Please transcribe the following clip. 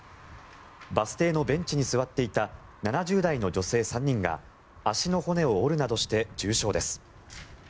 バス停のベンチに座っていた７０代の女性３人が足の骨を折るなどして重傷です。